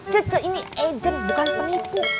cucu ini agent bukan penipu